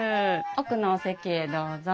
奥のお席へどうぞ。